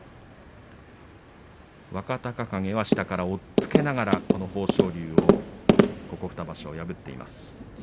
若隆景は下から押っつけながら、この豊昇龍をここ２場所破っています。